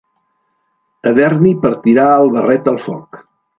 Haver-n'hi per tirar el barret al foc.